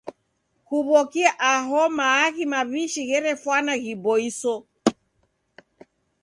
Kuw'okia aho maaghi maw'ishi gherefwana ghiboiso.